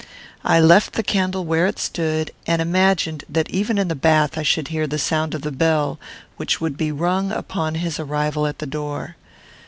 I left the candle where it stood, and imagined that even in the bath I should hear the sound of the bell which would be rung upon his arrival at the door.